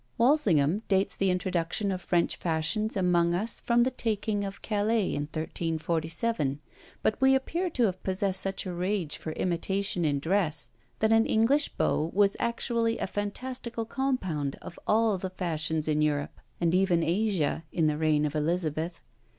Walsingham dates the introduction of French fashions among us from the taking of Calais in 1347; but we appear to have possessed such a rage for imitation in dress, that an English beau was actually a fantastical compound of all the fashions in Europe, and even Asia, in the reign of Elizabeth.